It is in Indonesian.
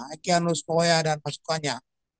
ikanus koya dan pasukannya